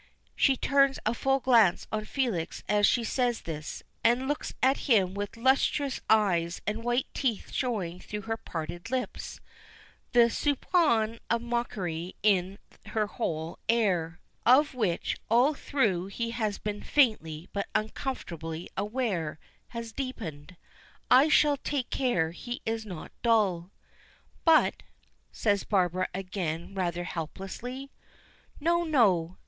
She turns a full glance on Felix as she says this, and looks at him with lustrous eyes and white teeth showing through her parted lips. The soupçon of mockery in her whole air, of which all through he has been faintly but uncomfortably aware, has deepened. "I shall take care he is not dull." "But," says Barbara, again, rather helplessly. "No, no.